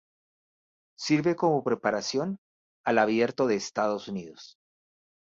Sirve como preparación para el Abierto de Estados Unidos.